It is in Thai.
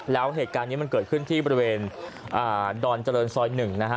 แล้วเหตุการณ์นี้มันเกิดขึ้นที่บริเวณดอนเจริญซอย๑นะฮะ